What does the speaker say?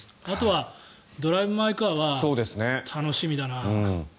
あとは「ドライブ・マイ・カー」は楽しみだな。